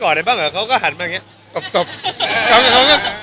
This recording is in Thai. กอดไอ้บ้างเขาก็หันมาอย่างนี้ตบ